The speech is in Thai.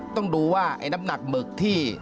ต้องดูว่าไอ้น้ำหนักหมึกที่